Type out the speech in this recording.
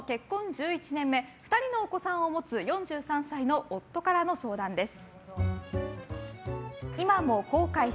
１１年目２人のお子さんを持つ４３歳の夫からの相談です。